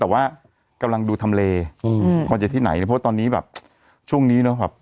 แต่ว่ากำลังดูทำเลอืมว่าจะที่ไหนเพราะว่าตอนนี้แบบช่วงนี้เนอะแบบ